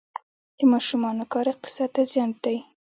د ماشومانو کار اقتصاد ته زیان دی؟